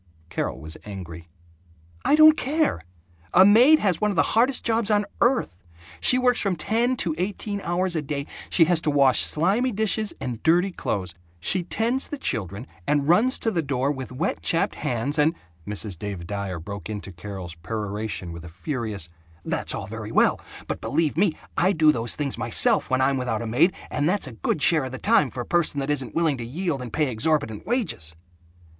Carol was angry. "I don't care! A maid has one of the hardest jobs on earth. She works from ten to eighteen hours a day. She has to wash slimy dishes and dirty clothes. She tends the children and runs to the door with wet chapped hands and " Mrs. Dave Dyer broke into Carol's peroration with a furious, "That's all very well, but believe me, I do those things myself when I'm without a maid and that's a good share of the time for a person that isn't willing to yield and pay exorbitant wages!"